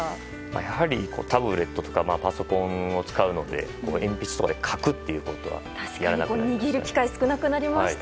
やはり、タブレットとかパソコンを使うので鉛筆とかで書くということはやらなくなりました。